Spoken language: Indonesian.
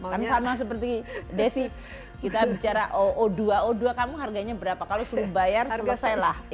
karena sama seperti desy kita bicara o dua o dua kamu harganya berapa kalau sudah dibayar selesailah